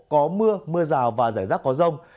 có mưa mưa rào và rải rác có rông